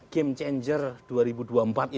game changer dua ribu dua puluh empat itu